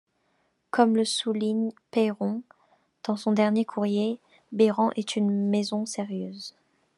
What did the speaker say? Comme le souligne Peyron dans son dernier courrier, Béran est une maison sérieuse.